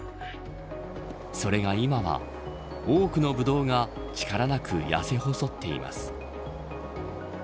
それが今は多くのブドウが力なくやせ細っています。